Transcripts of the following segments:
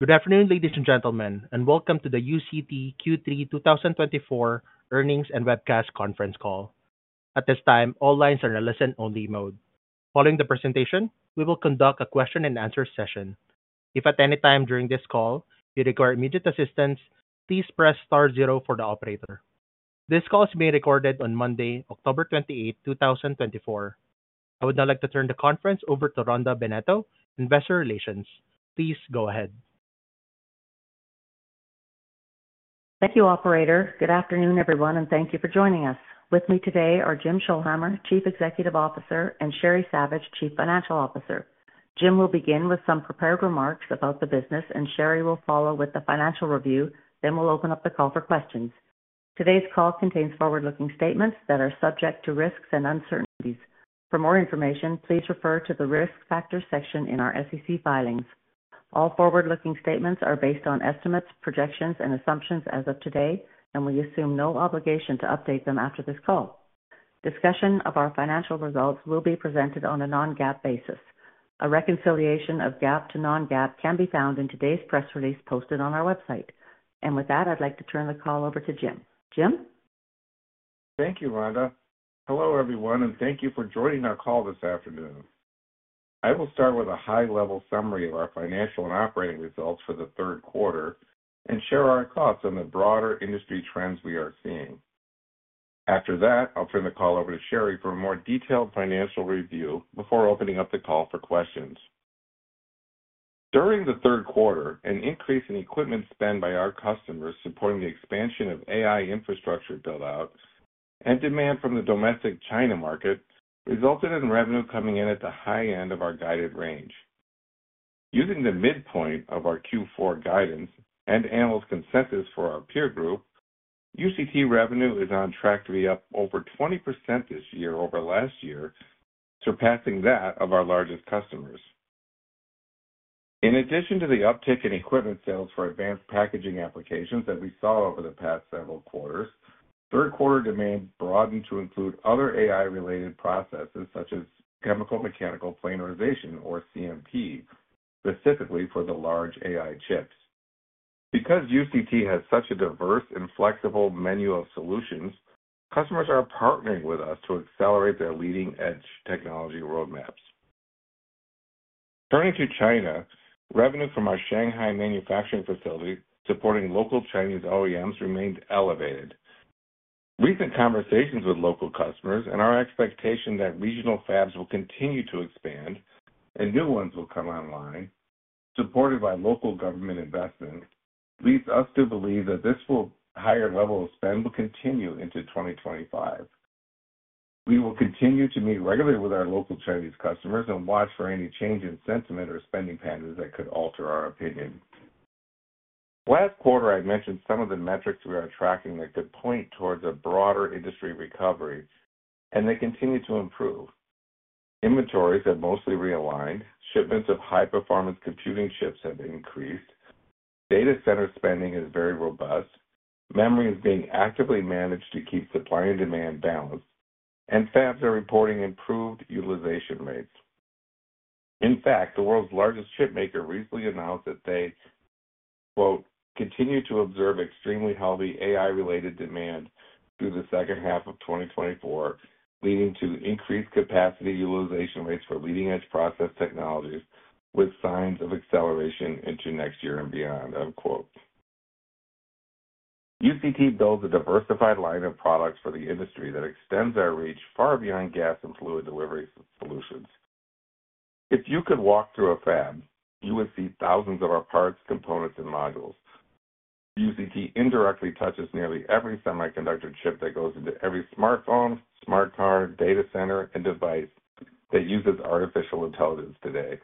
Good afternoon, ladies and gentlemen, and welcome to the UCT Q3 2024 earnings and webcast conference call. At this time, all lines are in a listen-only mode. Following the presentation, we will conduct a question-and-answer session. If at any time during this call you require immediate assistance, please press star zero for the operator. This call is being recorded on Monday, October twenty-eight, two thousand and twenty-four. I would now like to turn the conference over to Rhonda Bennett, Investor Relations. Please go ahead. Thank you, operator. Good afternoon, everyone, and thank you for joining us. With me today are Jim Scholhammer, Chief Executive Officer, and Sheri Savage, Chief Financial Officer. Jim will begin with some prepared remarks about the business, and Sheri will follow with the financial review. Then we'll open up the call for questions. Today's call contains forward-looking statements that are subject to risks and uncertainties. For more information, please refer to the Risk Factors section in our SEC filings. All forward-looking statements are based on estimates, projections, and assumptions as of today, and we assume no obligation to update them after this call. Discussion of our financial results will be presented on a non-GAAP basis. A reconciliation of GAAP to non-GAAP can be found in today's press release posted on our website. And with that, I'd like to turn the call over to Jim. Jim? Thank you, Rhonda. Hello, everyone, and thank you for joining our call this afternoon. I will start with a high-level summary of our financial and operating results for the third quarter and share our thoughts on the broader industry trends we are seeing. After that, I'll turn the call over to Sheri for a more detailed financial review before opening up the call for questions. During the third quarter, an increase in equipment spend by our customers supporting the expansion of AI infrastructure build-out and demand from the domestic China market, resulted in revenue coming in at the high end of our guided range. Using the midpoint of our Q4 guidance and analyst consensus for our peer group, UCT revenue is on track to be up over 20% this year over last year, surpassing that of our largest customers. In addition to the uptick in equipment sales for advanced packaging applications that we saw over the past several quarters, third quarter demand broadened to include other AI-related processes, such as chemical mechanical planarization, or CMP, specifically for the large AI chips. Because UCT has such a diverse and flexible menu of solutions, customers are partnering with us to accelerate their leading-edge technology roadmaps. Turning to China, revenue from our Shanghai manufacturing facility, supporting local Chinese OEMs, remained elevated. Recent conversations with local customers and our expectation that regional fabs will continue to expand and new ones will come online, supported by local government investment, leads us to believe that higher level of spend will continue into twenty twenty-five. We will continue to meet regularly with our local Chinese customers and watch for any change in sentiment or spending patterns that could alter our opinion. Last quarter, I mentioned some of the metrics we are tracking that could point towards a broader industry recovery, and they continue to improve. Inventories have mostly realigned, shipments of high-performance computing chips have increased, data center spending is very robust, memory is being actively managed to keep supply and demand balanced, and fabs are reporting improved utilization rates. In fact, the world's largest chipmaker recently announced that they, quote, "continue to observe extremely healthy AI-related demand through the second half of twenty twenty-four, leading to increased capacity utilization rates for leading-edge process technologies with signs of acceleration into next year and beyond," unquote. UCT builds a diversified line of products for the industry that extends our reach far beyond gas and fluid delivery solutions. If you could walk through a fab, you would see thousands of our parts, components, and modules. UCT indirectly touches nearly every semiconductor chip that goes into every smartphone, smart car, data center, and device that uses artificial intelligence today.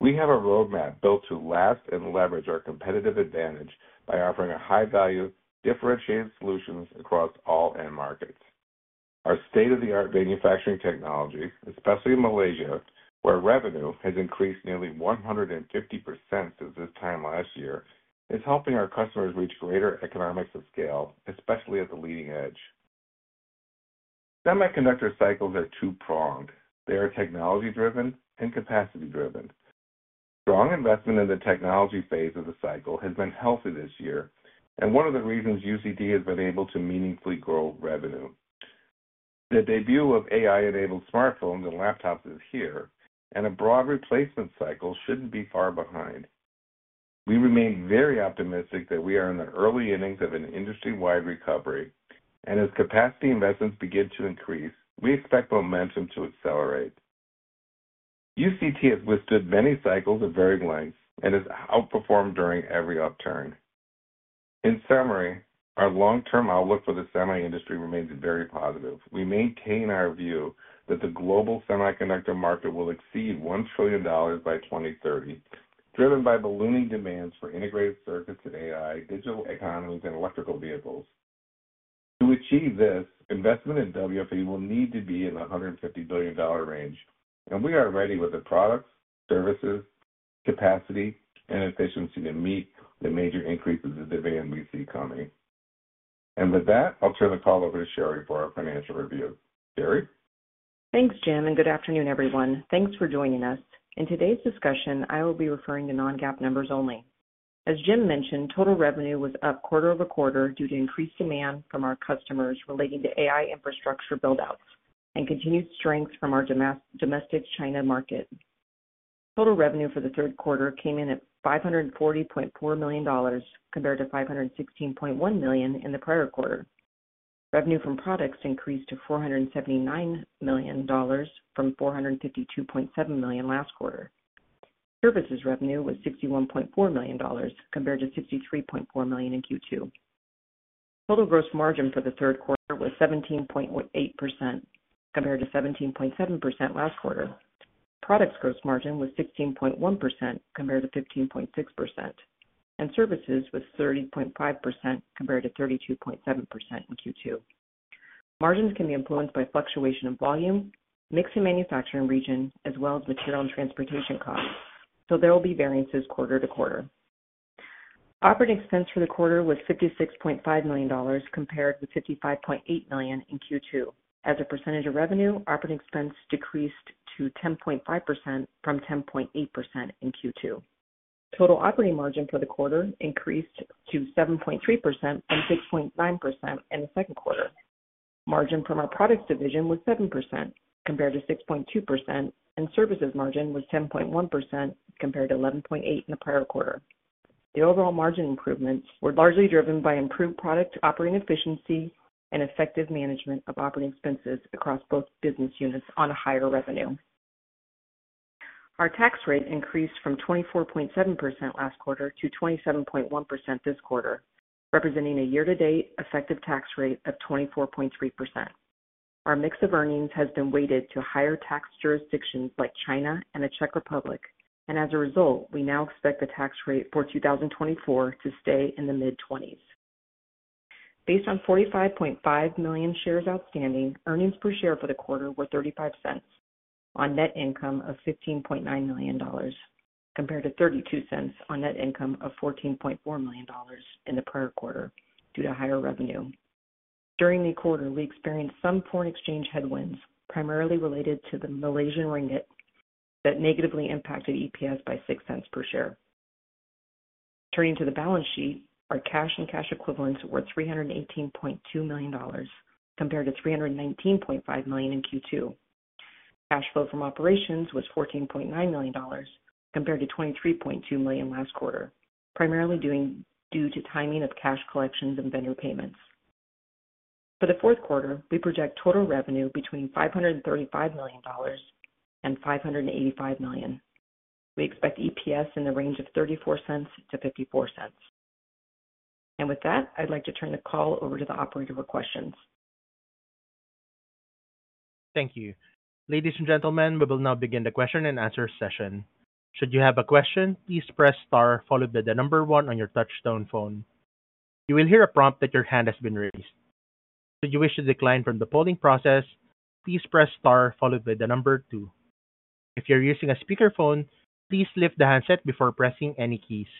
We have a roadmap built to last and leverage our competitive advantage by offering a high-value, differentiated solutions across all end markets. Our state-of-the-art manufacturing technology, especially in Malaysia, where revenue has increased nearly 150% since this time last year, is helping our customers reach greater economies of scale, especially at the leading edge. Semiconductor cycles are two-pronged. They are technology-driven and capacity-driven. Strong investment in the technology phase of the cycle has been healthy this year and one of the reasons UCT has been able to meaningfully grow revenue. The debut of AI-enabled smartphones and laptops is here, and a broad replacement cycle shouldn't be far behind. We remain very optimistic that we are in the early innings of an industry-wide recovery, and as capacity investments begin to increase, we expect momentum to accelerate. UCT has withstood many cycles of varying lengths and has outperformed during every upturn. In summary, our long-term outlook for the semi industry remains very positive. We maintain our view that the global semiconductor market will exceed $1 trillion by 2030, driven by ballooning demands for integrated circuits and AI, digital economies, and electric vehicles. To achieve this, investment in WFE will need to be in the $150 billion range, and we are ready with the products, services, capacity, and efficiency to meet the major increases in demand we see coming, and with that, I'll turn the call over to Sheri for our financial review. Sheri? Thanks, Jim, and good afternoon, everyone. Thanks for joining us. In today's discussion, I will be referring to non-GAAP numbers only. As Jim mentioned, total revenue was up quarter over quarter due to increased demand from our customers relating to AI infrastructure buildouts and continued strength from our domestic China market. Total revenue for the third quarter came in at $540.4 million, compared to $516.1 million in the prior quarter. Revenue from products increased to $479 million from $452.7 million last quarter. Services revenue was $61.4 million, compared to $63.4 million in Q2. Total gross margin for the third quarter was 17.8%, compared to 17.7% last quarter. Products gross margin was 16.1%, compared to 15.6%, and services was 30.5%, compared to 32.7% in Q2. Margins can be influenced by fluctuation of volume, mix in manufacturing region, as well as material and transportation costs, so there will be variances quarter to quarter. Operating expense for the quarter was $56.5 million, compared to $55.8 million in Q2. As a percentage of revenue, operating expense decreased to 10.5% from 10.8% in Q2. Total operating margin for the quarter increased to 7.3% and 6.9% in the second quarter. Margin from our products division was 7% compared to 6.2%, and services margin was 10.1% compared to 11.8% in the prior quarter. The overall margin improvements were largely driven by improved product operating efficiency and effective management of operating expenses across both business units on a higher revenue. Our tax rate increased from 24.7% last quarter to 27.1% this quarter, representing a year-to-date effective tax rate of 24.3%. Our mix of earnings has been weighted to higher tax jurisdictions like China and the Czech Republic, and as a result, we now expect the tax rate for 2024 to stay in the mid-twenties. Based on 45.5 million shares outstanding, earnings per share for the quarter were $0.35 on net income of $15.9 million, compared to $0.32 on net income of $14.4 million in the prior quarter due to higher revenue. During the quarter, we experienced some foreign exchange headwinds, primarily related to the Malaysian ringgit, that negatively impacted EPS by $0.06 per share. Turning to the balance sheet, our cash and cash equivalents were $318.2 million, compared to $319.5 million in Q2. Cash flow from operations was $14.9 million, compared to $23.2 million last quarter, primarily due to timing of cash collections and vendor payments. For the fourth quarter, we project total revenue between $535 million and $585 million. We expect EPS in the range of $0.34-$0.54. And with that, I'd like to turn the call over to the operator for questions. Thank you. Ladies and gentlemen, we will now begin the question-and-answer session. Should you have a question, please press star followed by the number one on your touchtone phone. You will hear a prompt that your hand has been raised. Should you wish to decline from the polling process, please press star followed by the number two. If you're using a speakerphone, please lift the handset before pressing any keys.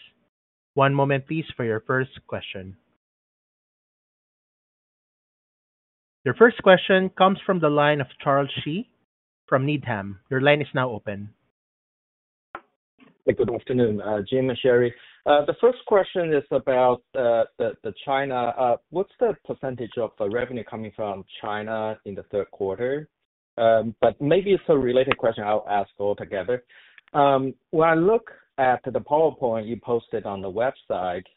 One moment, please, for your first question. Your first question comes from the line of Charles Shi from Needham. Your line is now open. Hey, good afternoon, Jim and Sheri. The first question is about the China. What's the percentage of the revenue coming from China in the third quarter? But maybe it's a related question I'll ask all together. When I look at the PowerPoint you posted on the website,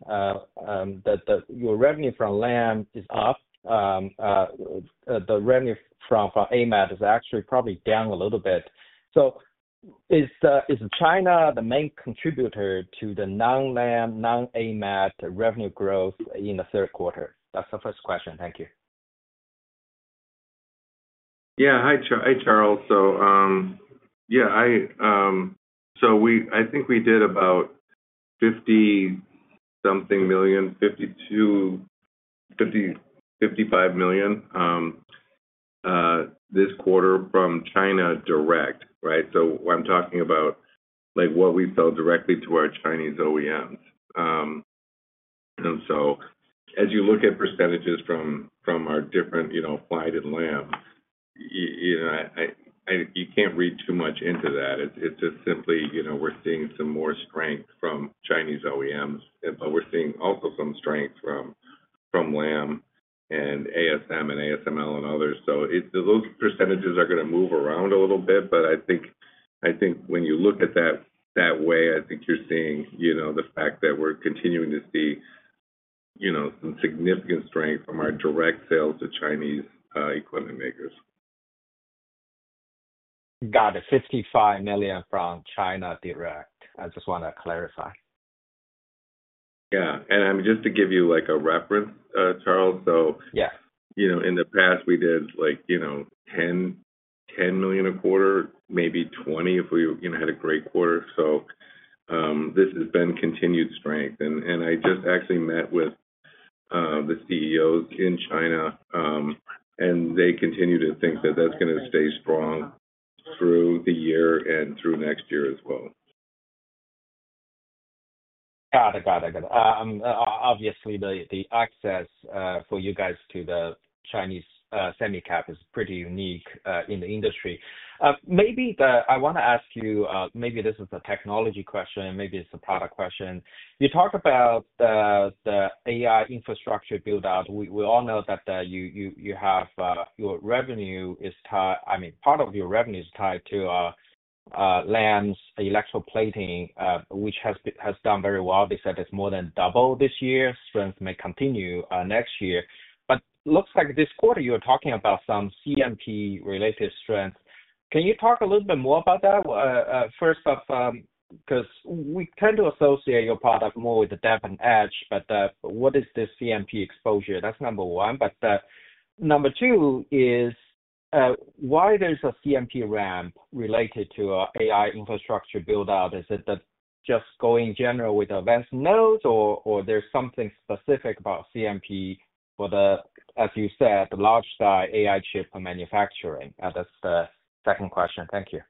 your revenue from Lam is up. The revenue from AMAT is actually probably down a little bit. So is China the main contributor to the non-Lam, non-AMAT revenue growth in the third quarter? That's the first question. Thank you. Yeah. Hi, Charles. So, yeah, I think we did about $50-something million, $52, $50, $55 million this quarter from China direct, right? So I'm talking about, like, what we sold directly to our Chinese OEMs. And so as you look at percentages from our different, you know, Applied and Lam, you know, you can't read too much into that. It's just simply, you know, we're seeing some more strength from Chinese OEMs, but we're seeing also some strength from Lam and ASM and ASML and others. So it's those percentages are gonna move around a little bit, but I think, I think when you look at that that way, I think you're seeing, you know, the fact that we're continuing to see, you know, some significant strength from our direct sales to Chinese equipment makers. Got it. $55 million from China direct. I just want to clarify. Yeah, and, just to give you, like, a reference, Charles. Yeah. So, you know, in the past, we did like, you know, $10 million a quarter, maybe $20 million if we, you know, had a great quarter. So, this has been continued strength. And, I just actually met with the CEOs in China, and they continue to think that that's gonna stay strong through the year and through next year as well. ... Got it, got it. Obviously, the access for you guys to the Chinese semicon is pretty unique in the industry. I want to ask you, maybe this is a technology question, maybe it's a product question. You talk about the AI infrastructure build-out. We all know that you have your revenue is tied. I mean, part of your revenue is tied to Lam's electroplating, which has done very well. They said it's more than double this year. Strength may continue next year, but looks like this quarter you're talking about some CMP-related strength. Can you talk a little bit more about that? First off, 'cause we tend to associate your product more with the dep and etch, but what is the CMP exposure? That's number one. But number two is why there's a CMP ramp related to AI infrastructure build-out? Is it just going general with advanced nodes, or there's something specific about CMP for the, as you said, large-scale AI chip manufacturing? That's the second question. Thank you.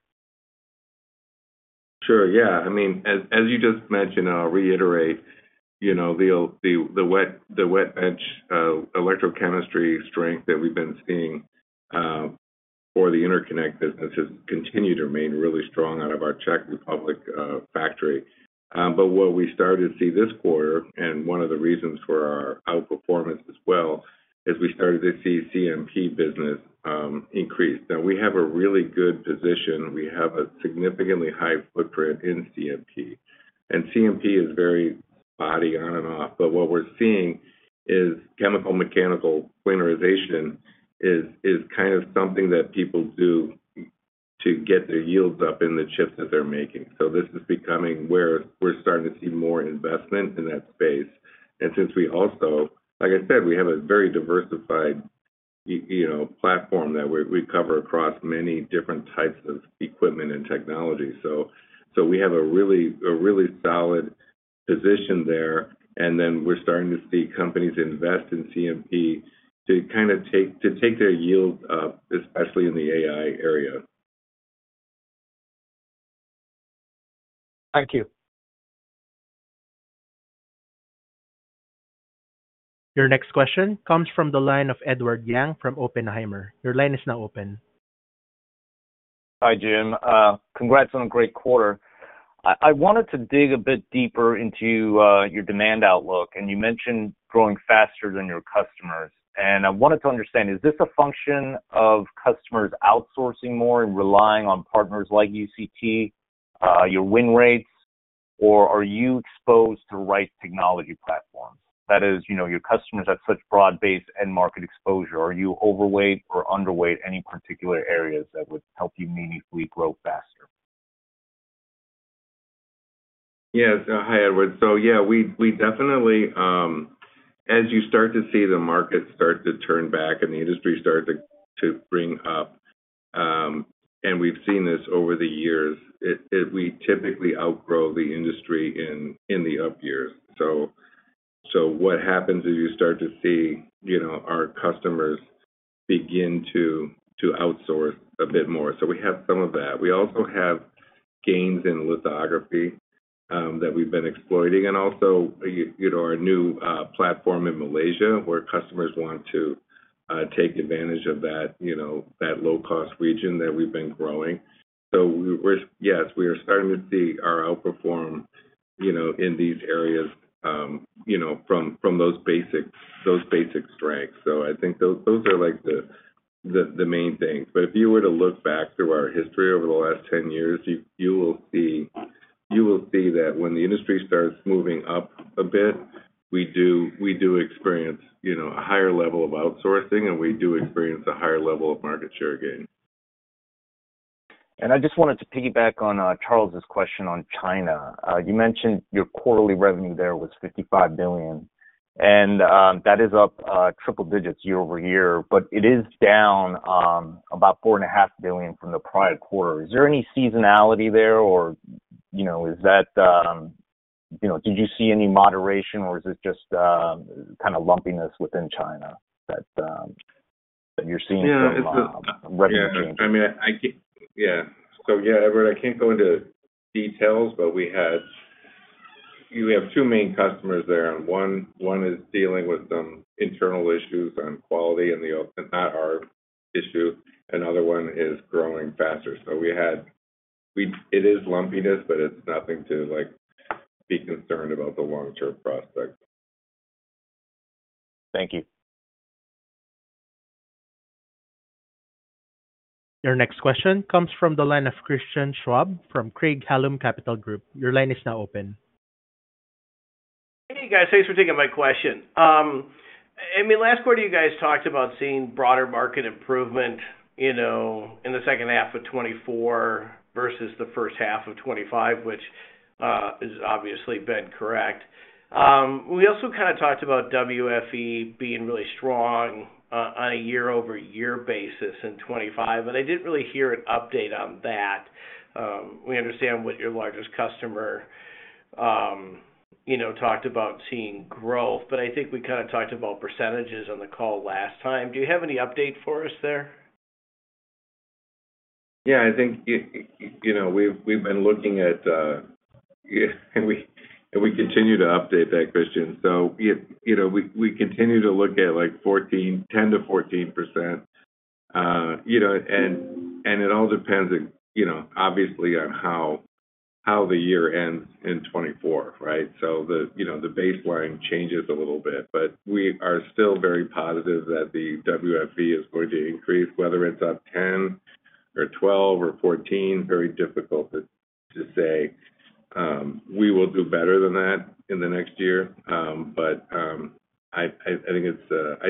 Sure. Yeah. I mean, as you just mentioned, I'll reiterate, you know, the wet etch electrochemistry strength that we've been seeing for the interconnect business has continued to remain really strong out of our Czech Republic factory, but what we started to see this quarter, and one of the reasons for our outperformance as well, is we started to see CMP business increase. Now, we have a really good position. We have a significantly high footprint in CMP, and CMP is very binary on and off, but what we're seeing is chemical-mechanical planarization is kind of something that people do to get their yields up in the chips that they're making, so this is becoming where we're starting to see more investment in that space. Since we also, like I said, we have a very diversified you know, platform that we cover across many different types of equipment and technology. We have a really solid position there, and then we're starting to see companies invest in CMP to kind of take their yield up, especially in the AI area. Thank you. Your next question comes from the line of Edward Yang from Oppenheimer. Your line is now open. Hi, Jim. Congrats on a great quarter. I wanted to dig a bit deeper into your demand outlook, and you mentioned growing faster than your customers. And I wanted to understand, is this a function of customers outsourcing more and relying on partners like UCT, your win rates, or are you exposed to right technology platforms? That is, you know, your customers have such broad base and market exposure. Are you overweight or underweight any particular areas that would help you meaningfully grow faster? Yes. Hi, Edward. So, yeah, we definitely, as you start to see the market start to turn back and the industry start to bring up, and we've seen this over the years, it, we typically outgrow the industry in the up years. So what happens is you start to see, you know, our customers begin to outsource a bit more. So we have some of that. We also have gains in lithography that we've been exploiting, and also, you know, our new platform in Malaysia, where customers want to take advantage of that, you know, that low-cost region that we've been growing. So we're. Yes, we are starting to see our outperform, you know, in these areas, you know, from those basic strengths. I think those are like the main things. If you were to look back through our history over the last 10 years, you will see that when the industry starts moving up a bit, we do experience, you know, a higher level of outsourcing, and we do experience a higher level of market share gain. I just wanted to piggyback on Charles's question on China. You mentioned your quarterly revenue there was $55 billion, and that is up triple digits year over year, but it is down about $4.5 billion from the prior quarter. Is there any seasonality there, or, you know, is that, you know, did you see any moderation, or is it just kind of lumpiness within China that you're seeing from a revenue change? Yeah. I mean, so, Edward, I can't go into details, but we had—we have two main customers there, and one is dealing with some internal issues on quality in the open, not our issue. Another one is growing faster. It is lumpiness, but it's nothing to, like, be concerned about the long-term prospect. Thank you. Your next question comes from the line of Christian Schwab from Craig-Hallum Capital Group. Your line is now open. Hey, guys. Thanks for taking my question. I mean, last quarter, you guys talked about seeing broader market improvement, you know, in the second half of twenty-four versus the first half of twenty-five, which, has obviously been correct. We also kind of talked about WFE being really strong, on a year-over-year basis in twenty-five, but I didn't really hear an update on that. We understand what your largest customer, you know, talked about seeing growth, but I think we kind of talked about percentages on the call last time. Do you have any update for us there? Yeah, I think, you know, we've been looking at, and we continue to update that, Christian. So, you know, we continue to look at, like, 10%-14%. You know, it all depends, you know, obviously, on how the year ends in 2024, right? So, you know, the baseline changes a little bit, but we are still very positive that the WFE is going to increase, whether it's up 10 or 12 or 14, very difficult to say. We will do better than that in the next year. But, I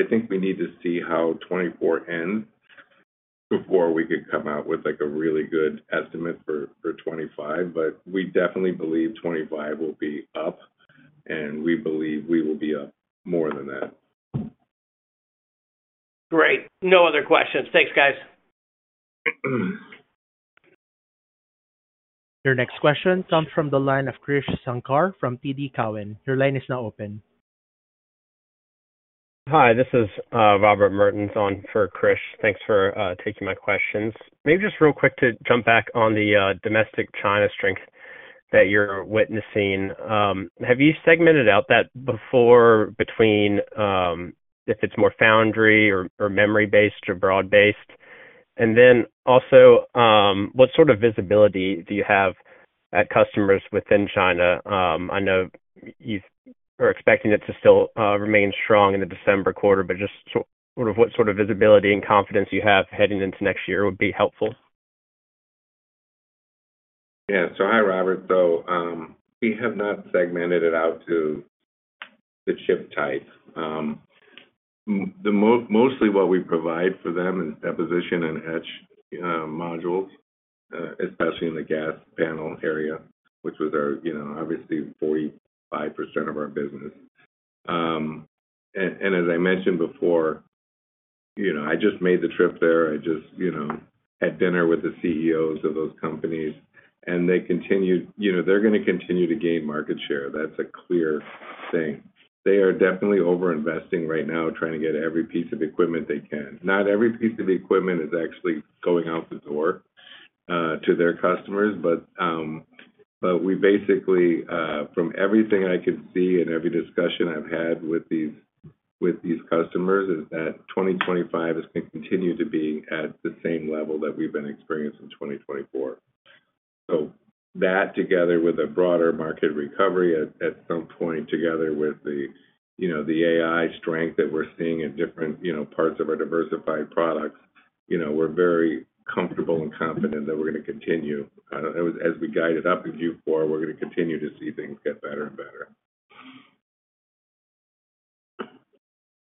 think we need to see how 2024 ends before we could come out with, like, a really good estimate for 2025. But we definitely believe 25 will be up, and we believe we will be up more than that. Great. No other questions. Thanks, guys. Your next question comes from the line of Krish Sankar from TD Cowen. Your line is now open. Hi, this is Robert Mertens on for Krish. Thanks for taking my questions. Maybe just real quick to jump back on the domestic China strength that you're witnessing. Have you segmented out that before between if it's more foundry or memory-based or broad-based? And then also, what sort of visibility do you have at customers within China? I know you are expecting it to still remain strong in the December quarter, but just sort of what sort of visibility and confidence you have heading into next year would be helpful. Yeah. So hi, Robert. So, we have not segmented it out to the chip type. Mostly what we provide for them is deposition and etch modules, especially in the gas panel area, which was our, you know, obviously, 45% of our business. And as I mentioned before, you know, I just made the trip there. I just, you know, had dinner with the CEOs of those companies, and they continued. You know, they're gonna continue to gain market share. That's a clear thing. They are definitely over-investing right now, trying to get every piece of equipment they can. Not every piece of equipment is actually going out the door to their customers, but we basically, from everything I could see and every discussion I've had with these customers, is that twenty twenty-five is going to continue to be at the same level that we've been experiencing in twenty twenty-four. So that, together with a broader market recovery at some point, together with the, you know, the AI strength that we're seeing in different, you know, parts of our diversified products, you know, we're very comfortable and confident that we're gonna continue. As we guide it up in Q4, we're gonna continue to see things get better and better.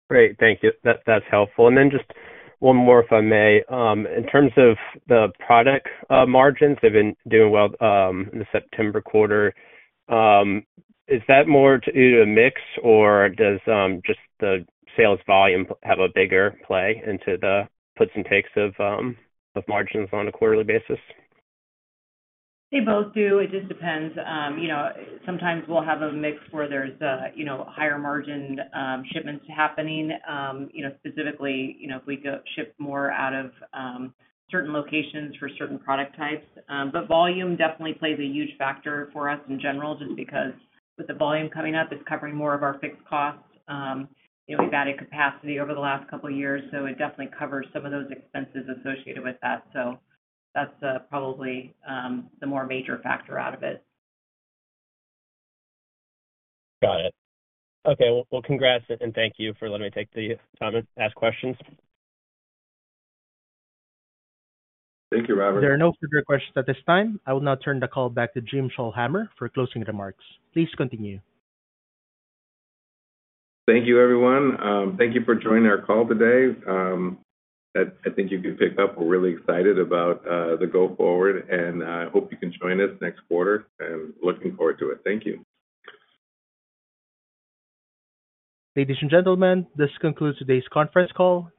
Great. Thank you. That, that's helpful. And then just one more, if I may. In terms of the product margins, they've been doing well in the September quarter. Is that more to do with mix, or does just the sales volume have a bigger play into the puts and takes of margins on a quarterly basis? They both do. It just depends. You know, sometimes we'll have a mix where there's a, you know, higher margin, shipments happening, you know, specifically, you know, if we go ship more out of, certain locations for certain product types. But volume definitely plays a huge factor for us in general, just because with the volume coming up, it's covering more of our fixed costs. You know, we've added capacity over the last couple of years, so it definitely covers some of those expenses associated with that. So that's, probably, the more major factor out of it. Got it. Okay, well, congrats, and thank you for letting me take the time to ask questions. Thank you, Robert. There are no further questions at this time. I will now turn the call back to Jim Scholhammer for closing remarks. Please continue. Thank you, everyone. Thank you for joining our call today. I think you can pick up, we're really excited about the go-forward, and I hope you can join us next quarter, and looking forward to it. Thank you. Ladies and gentlemen, this concludes today's conference call.